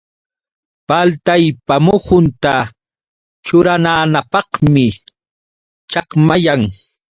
Paltaypa muhunta churananapqmi chakmayan.